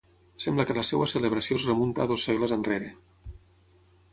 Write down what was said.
Sembla que la seva celebració es remunta a dos segles enrere.